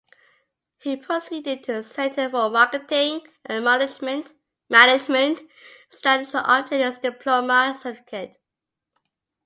He proceeded to Centre for Marketing and Management studies to obtain his diploma certificate.